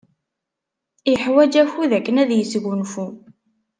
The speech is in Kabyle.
Yeḥwaj akud akken ad yesgunfu.